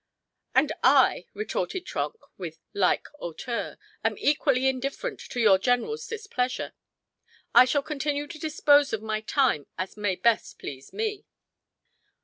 "And I," retorted Trenck, with like hauteur, "am equally indifferent to your general's displeasure. I shall continue to dispose of my time as may best please me."